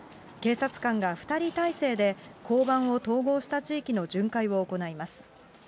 警察官が２人体制で、交番を統合した地域の巡回を行います。